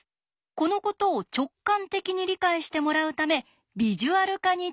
このことを直感的に理解してもらうためビジュアル化に挑戦してみました。